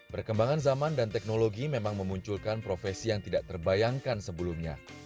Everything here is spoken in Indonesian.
perkembangan zaman dan teknologi memang memunculkan profesi yang tidak terbayangkan sebelumnya